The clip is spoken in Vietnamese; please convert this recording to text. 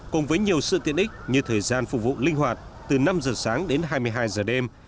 cùng với nhiều sự tiện ích như thời gian phục vụ linh hoạt từ năm giờ sáng đến hai mươi hai giờ đêm